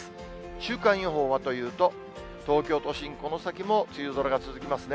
週間予報はというと、東京都心、この先も梅雨空が続きますね。